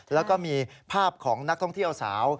แล้วก็มีภาพของนักท่องเที่ยวสาว